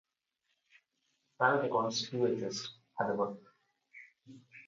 Private accounts do exist, however.